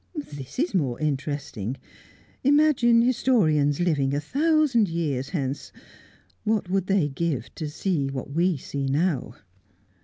"This is more interesting. Imagine historians living a thousand years hence what would they give to see what we see now!"